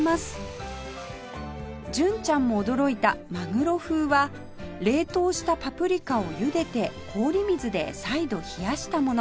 純ちゃんも驚いたマグロ風は冷凍したパプリカをゆでて氷水で再度冷やしたもの